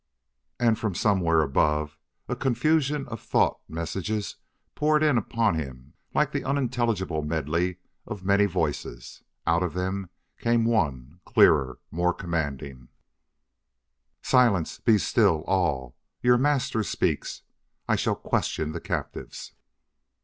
And, from somewhere above, a confusion of thought messages poured in upon him like the unintelligible medley of many voices. Out of them came one, clearer, more commanding: "Silence! Be still, all! Your Master speaks. I shall question the captives."